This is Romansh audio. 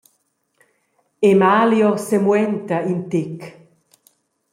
Emalio semuenta in tec.